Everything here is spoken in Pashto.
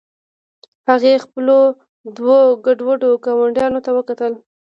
هغې خپلو دوو ګډوډو ګاونډیانو ته وکتل